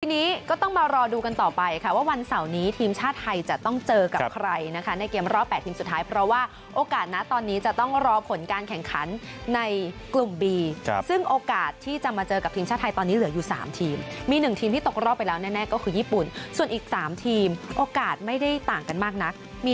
ทีนี้ก็ต้องมารอดูกันต่อไปค่ะว่าวันเสาร์นี้ทีมชาติไทยจะต้องเจอกับใครนะคะในเกมรอบ๘ทีมสุดท้ายเพราะว่าโอกาสนะตอนนี้จะต้องรอผลการแข่งขันในกลุ่มบีซึ่งโอกาสที่จะมาเจอกับทีมชาติไทยตอนนี้เหลืออยู่๓ทีมมี๑ทีมที่ตกรอบไปแล้วแน่ก็คือญี่ปุ่นส่วนอีก๓ทีมโอกาสไม่ได้ต่างกันมากนักมี